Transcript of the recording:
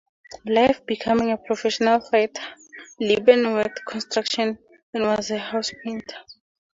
Before becoming a professional fighter, Leben worked construction and was a housepainter.